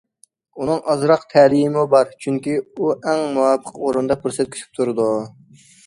ئۇنىڭ ئازراق تەلىيىمۇ بار، چۈنكى ئۇ ئەڭ مۇۋاپىق ئورۇندا پۇرسەت كۈتۈپ تۇرىدۇ.